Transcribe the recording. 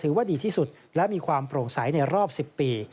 ถือว่าดีที่สุดและมีความโปร่งใสในรอบ๑๐ปี